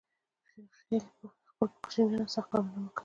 خپل په کوچینیانو سخت کارونه مه کوی